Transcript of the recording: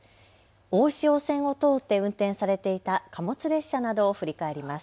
大汐線を通って運転されていた貨物列車などを振り返ります。